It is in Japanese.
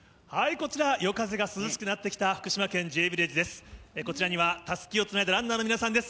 こちら、夜風が涼しくなってきた、福島県Ｊヴィレッジです。